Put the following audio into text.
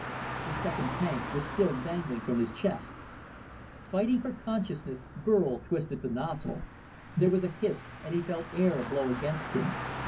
The second tank was still dangling from his chest. Fighting for consciousness, Burl twisted the nozzle. There was a hiss and he felt air blow against him.